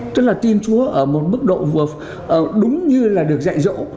tức là tin chúa ở một mức độ vừa đúng như là được dạy dỗ